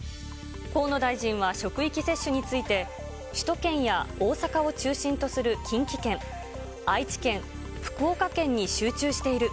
河野大臣は職域接種について、首都圏や大阪を中心とする近畿圏、愛知県、福岡県に集中している。